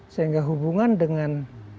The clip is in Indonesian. sehingga hubungan dengan